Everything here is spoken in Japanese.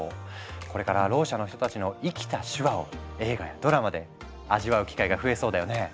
これからろう者の人たちの生きた手話を映画やドラマで味わう機会が増えそうだよね。